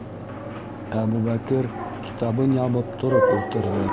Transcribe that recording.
- Әбүбәкер, китабын ябып, тороп ултырҙы.